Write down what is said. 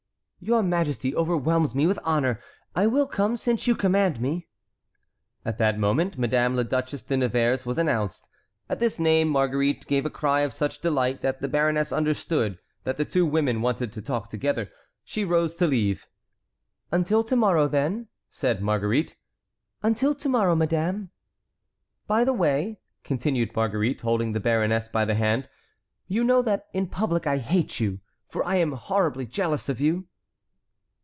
"Your majesty overwhelms me with honor. I will come, since you command me." At that moment Madame la Duchesse de Nevers was announced. At this name Marguerite gave a cry of such delight that the baroness understood that the two women wanted to talk together. She rose to leave. "Until to morrow, then," said Marguerite. "Until to morrow, madame." "By the way," continued Marguerite holding the baroness by the hand, "you know that in public I hate you, for I am horribly jealous of you."